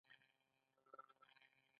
یاده ټولنه پدې کارونو سره سرلوړې کړې ده.